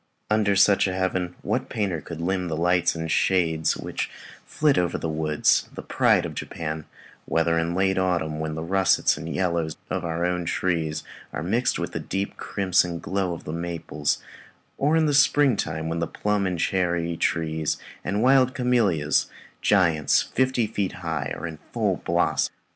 Under such a heaven, what painter could limn the lights and shades which flit over the woods, the pride of Japan, whether in late autumn, when the russets and yellows of our own trees are mixed with the deep crimson glow of the maples, or in spring time, when plum and cherry trees and wild camellias giants, fifty feet high are in full blossom?